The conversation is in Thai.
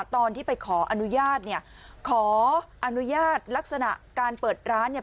ตอนที่ไปขออนุญาตเนี่ยขออนุญาตลักษณะการเปิดร้านเนี่ย